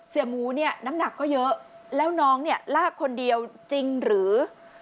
๒เสียหมูน้ำหนักก็เยอะแล้วน้องลากคนเดียวจริงหรือ